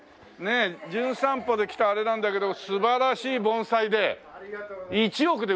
『じゅん散歩』で来たあれなんだけど素晴らしい盆栽で１億で売って頂けます？